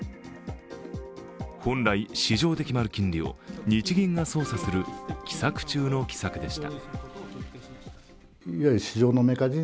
本来、市場で決まる金利を日銀が操作する奇策中の奇策でした。